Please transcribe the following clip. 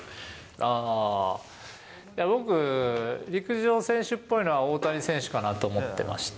ああ、僕、陸上選手っぽいのは大谷選手かなと思ってまして。